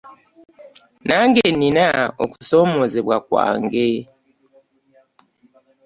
Nange nnina okusoomoozebwa okwange.